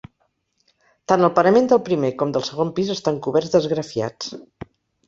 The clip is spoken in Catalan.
Tant el parament del primer com del segon pis estan coberts d'esgrafiats.